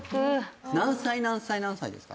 何歳、何歳、何歳ですか。